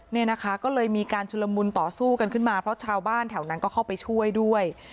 เนี่ยนะคะก็เลยมีการชุลมุนต่อสู้กันขึ้นมาเพราะชาวบ้านแถวนั้นก็เข้าไปช่วยด้วย